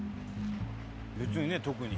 別にね特に。